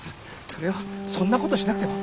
それを「そんなことしなくても」？